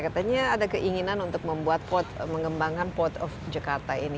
katanya ada keinginan untuk membuat port mengembangkan port of jakarta ini